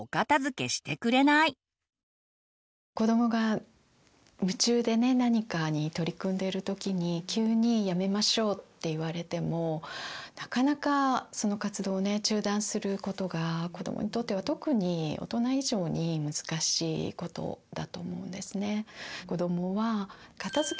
子どもが夢中で何かに取り組んでる時に急にやめましょうって言われてもなかなかその活動を中断することが子どもにとっては特に大人以上に難しいことだと思うんですね。